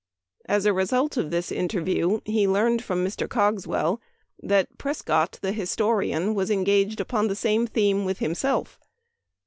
As the result of this interview he learned from Mr. Cogswell that Prescott, the historian, was engaged upon the same theme with himself.